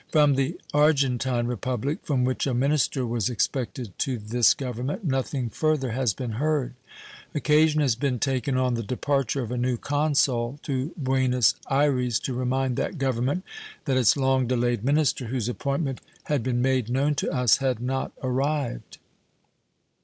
From the Argentine Republic, from which a minister was expected to this Government, nothing further has been heard. Occasion has been taken on the departure of a new consul to Buenos Ayres to remind that Government that its long delayed minister, whose appointment had been made known to us, had not arrived.